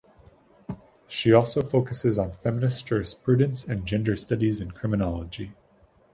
She also focuses on feminist jurisprudence and gender studies in criminology.